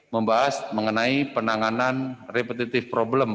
membahas mengenai penanganan repetitive problem